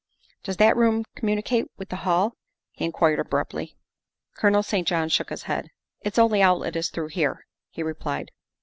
' Does that room communicate with the hall?" he inquired abruptly. Colonel St. John shook his head. " Its only outlet is through here," he replied.